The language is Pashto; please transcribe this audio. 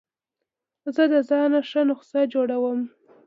زه د ځان ښه نسخه جوړوم.